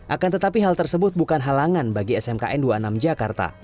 akan tetapi hal tersebut bukan halangan bagi smkn dua puluh enam jakarta